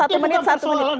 itu bukan persoalan